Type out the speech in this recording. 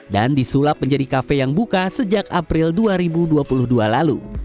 dan disulap menjadi kafe yang buka sejak april dua ribu dua puluh dua lalu